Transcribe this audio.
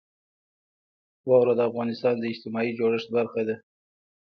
واوره د افغانستان د اجتماعي جوړښت برخه ده.